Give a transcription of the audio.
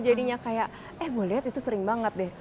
jadinya kayak eh gue liat itu sering banget deh